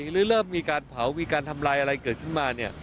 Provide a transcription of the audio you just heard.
เริ่มมีการเผามีการทำลายอะไรเกิดขึ้นมา